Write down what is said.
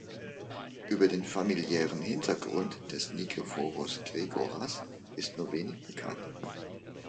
Über den familiären Hintergrund des Nikephoros Gregoras ist nur wenig bekannt.